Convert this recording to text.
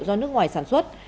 do nước ngoài sản xuất